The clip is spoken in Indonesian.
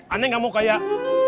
aku tidak mau kayak